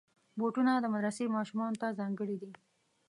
بوټونه د مدرسې ماشومانو ته ځانګړي دي.